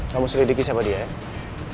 kamu selidiki siapa dia ya